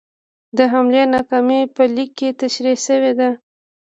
د حملې ناکامي په لیک کې تشرېح شوې ده.